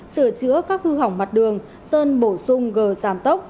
sửa chữa các hư hỏng mặt đường sơn bổ sung gờ giảm tốc